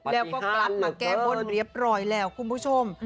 แล้วก็กลับมาแก้บนเรียบร้อยแล้วคุณผู้ชม